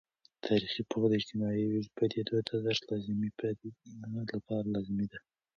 تاریخي پوهه د اجتماعي پدیدو د درک لپاره لازمي ده.